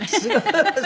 ハハハハ。